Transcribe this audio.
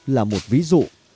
là một ví dụ